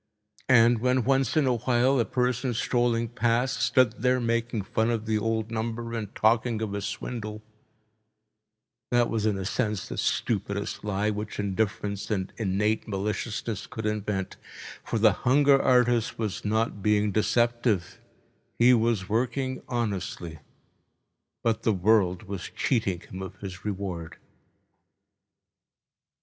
And when once in a while a person strolling past stood there making fun of the old number and talking of a swindle, that was in a sense the stupidest lie which indifference and innate maliciousness could invent, for the hunger artist was not being deceptive—he was working honestly—but the world was cheating him of his reward.